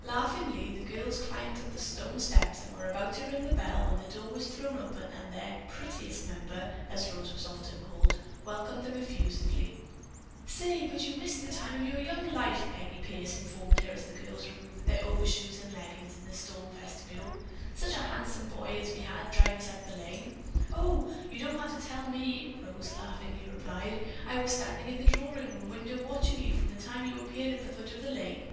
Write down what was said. Laughingly the girls climbed up the stone steps and were about to ring the bell when the door was thrown open and their "prettiest member," as Rose was often called, welcomed them effusively. "Say, but you missed the time of your young life," Peggy Pierce informed her as the girls removed their overshoes and leggins in the storm vestibule. "Such a handsome boy as we had to drive us up the lane." "O, you don't have to tell me," Rose laughingly replied. "I was standing in the drawing room window watching you from the time you appeared at the foot of the lane.